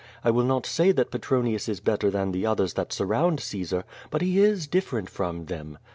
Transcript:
I will not say that Petronius is better than the others that surround Caesar, but he is different from them.